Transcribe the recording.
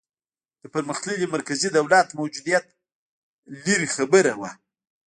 د پرمختللي مرکزي دولت موجودیت لرې خبره وه.